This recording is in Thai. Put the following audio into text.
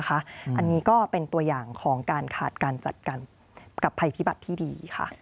อันนี้ก็เป็นตัวอย่างของการขาดการจัดการกับภัยพิบัติที่ดี